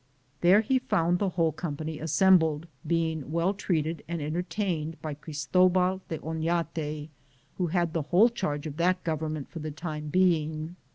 There he found the whole com pany assembled, being well treated and en tertained by Cbristobal de Ofiate, who had the whole charge of that government for the time being.